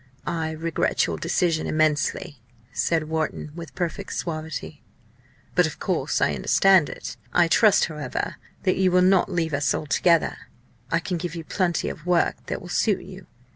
"I regret your decision, immensely," said Wharton, with perfect suavity, "but of course I understand it. I trust, however, that you will not leave us altogether. I can give you plenty of work that will suit you.